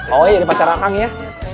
oh iya ini pacar akang ya